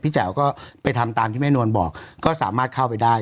แจ๋วก็ไปทำตามที่แม่นวลบอกก็สามารถเข้าไปได้